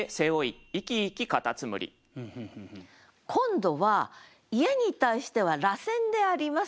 今度は家に対しては螺旋でありますよと。